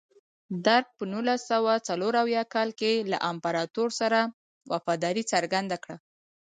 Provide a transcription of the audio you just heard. درګ په نولس سوه څلور اویا کال کې له امپراتور سره وفاداري څرګنده کړه.